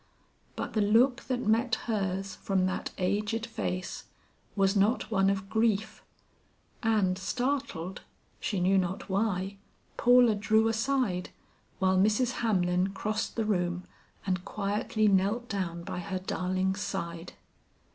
But the look that met hers from that aged face, was not one of grief; and startled, she knew not why, Paula drew aside, while Mrs. Hamlin crossed the room and quietly knelt down by her darling's side.